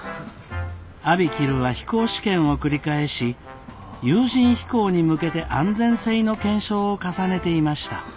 ＡＢＩＫＩＬＵは飛行試験を繰り返し有人飛行に向けて安全性の検証を重ねていました。